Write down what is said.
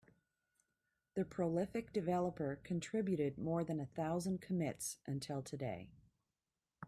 The prolific developer contributed more than a thousand commits until today.